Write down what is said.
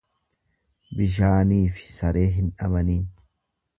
Bishaaniifi saree hin amaniin.